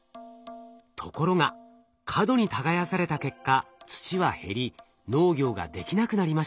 ところが過度に耕された結果土は減り農業ができなくなりました。